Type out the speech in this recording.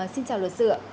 xin chào luật sư ạ